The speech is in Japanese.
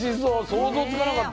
想像つかなかった。